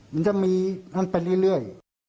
มันก็จะเป็นเรื่อย